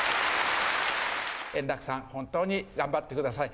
円楽さん、本当に頑張ってください。